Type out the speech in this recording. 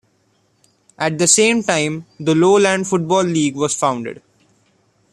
At the same time, the Lowland Football League was founded.